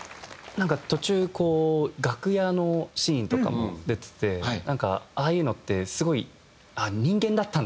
なんか途中楽屋のシーンとかも出ててなんかああいうのってすごい。